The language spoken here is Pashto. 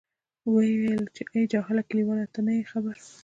ویې ویل، چې آی جاهله کلیواله ته نه یې خبر.